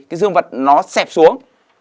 cái dương vật nó xẹp xuống